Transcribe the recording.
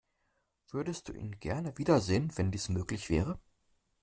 Würdest du ihn gerne wiedersehen, wenn dies möglich wäre?